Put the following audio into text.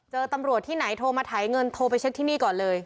ตำรวจที่ไหนโทรมาถ่ายเงินโทรไปเช็คที่นี่ก่อนเลย